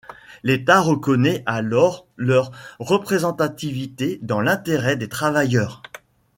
L'État reconnaît alors leur représentativité dans l'intérêt des travailleurs.